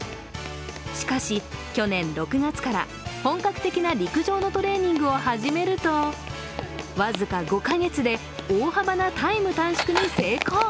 しかし、去年６月から、本格的な陸上のトレーニングを始めると僅か５か月で大幅なタイム短縮に成功。